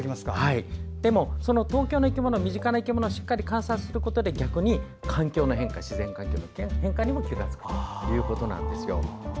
でも、その東京の身近な生き物をしっかり観察することで逆に自然環境の変化にも気が付くということなんですよ。